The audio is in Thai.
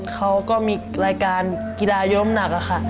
เขาก็มีรายการกีฬายมหนักค่ะ